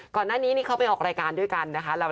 ก่อนหน้านี้นี่เขาไปออกรายการด้วยกันนะคะ